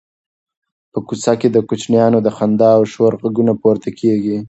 په کوڅه کې د کوچنیانو د خندا او شور غږونه پورته کېږي.